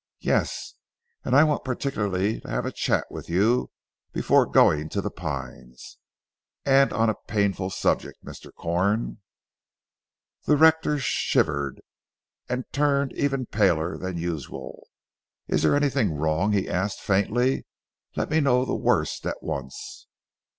"Yes! And I want particularly to have a chat with you before going to 'The Pines,' and on a painful subject, Mr. Corn." The rector shivered, and turned even paler than usual. "Is there anything wrong?" he asked faintly. "Let me know the worst at once."